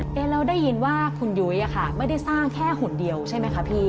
แล้วเราได้ยินว่าคุณยุ้ยไม่ได้สร้างแค่หุ่นเดียวใช่ไหมคะพี่